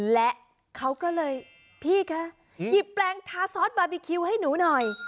และเขาก็เลยพี่คะหยิบแปลงทาซอสบาร์บีคิวให้หนูหน่อย